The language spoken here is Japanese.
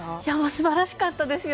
素晴らしかったですよ。